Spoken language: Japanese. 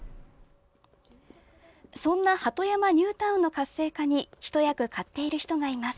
そんな鳩山ニュータウンの活性化に一役買っている人がいます。